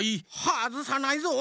はずさないぞ！